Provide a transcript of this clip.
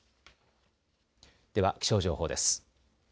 では気象情報です。